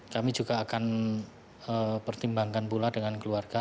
kami juga akan pertimbangkan pula dengan keluarga